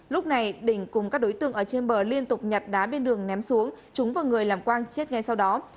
lúc này đình cùng các đối tượng ở trên bờ liên tục nhặt đá bên đường ném xuống chúng và người làm quang chết ngay sau đó